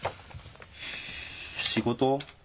仕事？